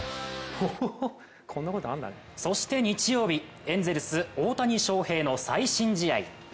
そして日曜日、エンゼルス・大谷翔平の最新試合。